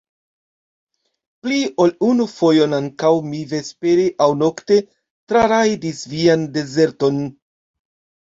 Pli ol unu fojon ankaŭ mi vespere aŭ nokte trarajdis vian dezerton!